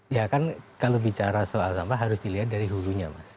ya kan kalau bicara soal sampah harus dilihat dari hulunya mas